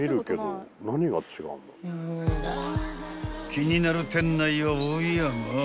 ［気になる店内はおやまあ］